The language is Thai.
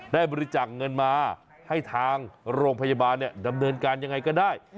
ได้บริจักษ์เงินมาให้ทางโรงพยาบาลดำเนินการอย่างไรก็ได้